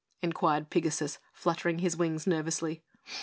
inquired Pigasus, fluttering his wings nervously.